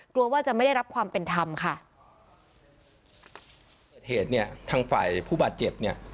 กลัวว่าจะไม่ได้รับความเป็นธรรมค่ะเกิดเหตุเนี่ยทางฝ่ายผู้บาดเจ็บเนี่ย